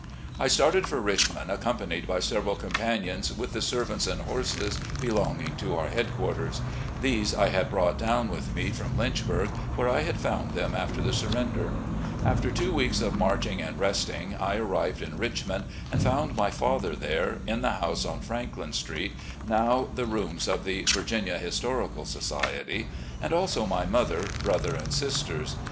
I started for Richmond, accompanied by several com panions, with the servants and horses belonging to our headquarters. These I had brought down with me from Lynchburg, where I had found them after the smrender. After two weeks of marching and resting, I arrived in Richmond and found my father there, in the house on Franklin Street, now the rooms of the "Virginia Histori cal Society," and also my mother, brother, and sisters.